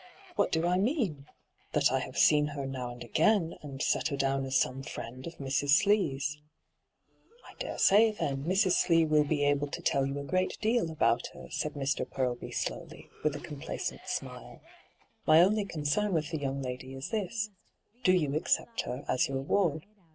* What do I mean ? That I have seen her now and again, and set her down as some friend of Mrs. Slee's.' hyGoo>^lc ENTRAPPED 93 ' I dare say, then, Mrs. Slee will be able to tell yoa a great deal about her,* said Mr. Purlby slowly, with a complacent smile. ' My ODly concern with the young lady is this : Do you accept her as your ward